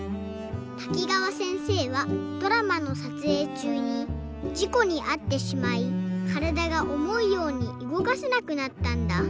滝川せんせいはドラマのさつえいちゅうにじこにあってしまいからだがおもうようにうごかせなくなったんだ。